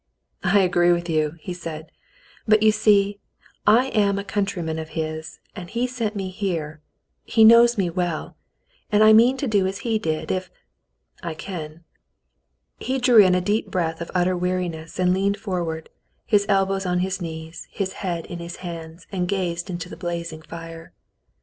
"I agree with you," he said. "But you see, I am a countryman of his, and he sent me here — he knows me well — and I mean to do as he did, if — I can." He drew in a deep breath of utter weariness, and leaned forward, his elbows on his knees, his head in his hands, and gazed into the blazing fire.